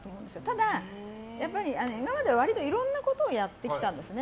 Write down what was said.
ただ、やっぱり今までは割といろんなことをやってきたんですね。